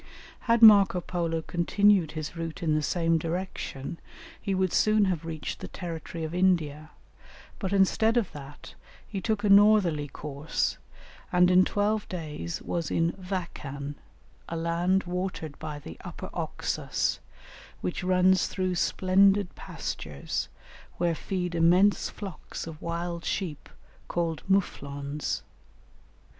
Had Marco Polo continued his route in the same direction he would soon have reached the territory of India, but instead of that he took a northerly course, and in twelve days was in Vaccan, a land watered by the Upper Oxus, which runs through splendid pastures, where feed immense flocks of wild sheep, called mufflons.